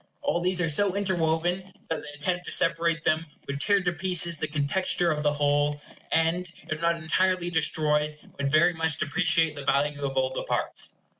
All these are so interwoven that the attempt to separate them would tear to pieces the contexture of the whole; and, if not entirely destroy, would very much depreciate the value of all the parts.